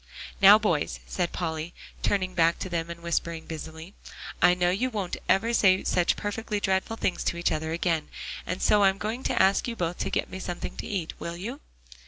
"Now, boys," said Polly, turning back to them and whispering busily, "I know you won't ever say such perfectly dreadful things to each other again. And so I'm going to ask you both to get me something to eat, will you?"